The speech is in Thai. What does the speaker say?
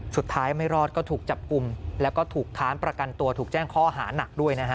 สุดท้ายไม่รอดก็ถูกจับกลุ่มแล้วก็ถูกค้านประกันตัวถูกแจ้งข้อหานักด้วยนะฮะ